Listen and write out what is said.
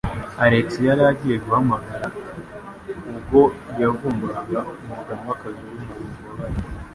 Alex yari yagiye guhamagara ubwo yavumburaga Umuganwakazi uri mu bubabare.